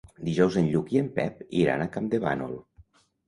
Dijous en Lluc i en Pep iran a Campdevànol.